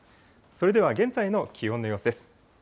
それでは現在の気温の様子です。